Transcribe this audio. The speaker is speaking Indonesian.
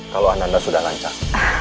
kalau ananda sudah lancar